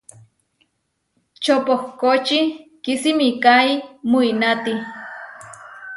Čopohkóči kisimikái muináti.